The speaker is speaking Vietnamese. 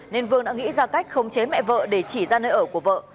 nên vương đã nghĩ ra cách khống chế mẹ vợ để chỉ ra nơi ở của vợ